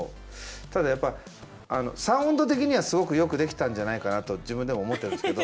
ただやっぱサウンド的にはすごくよく出来たんじゃないかなと自分でも思ってるんですけど。